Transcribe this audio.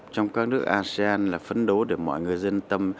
trong các nước asean là phấn đấu để mọi người dân tâm